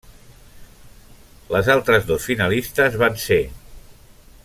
Les altres dos finalistes van ser: